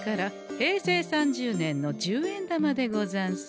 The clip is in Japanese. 平成３０年の十円玉でござんす。